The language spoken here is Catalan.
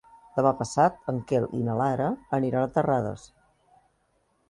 Demà passat en Quel i na Lara aniran a Terrades.